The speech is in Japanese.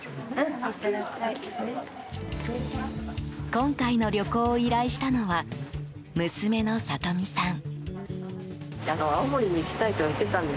今回の旅行を依頼したのは娘のさとみさん。